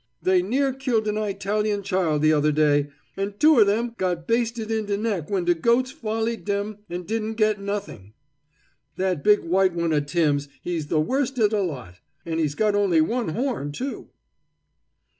They near killed an Eyetalian child the other day, and two of them got basted in de neck when de goats follied dem and didn't get nothing. That big white one o' Tim's, he's the worst in de lot, and he's got only one horn, too."